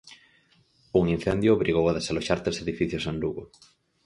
Un incendio obrigou a desaloxar tres edificios en Lugo.